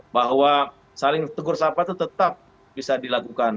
bahwa saling tegur sapa itu tetap bisa dilakukan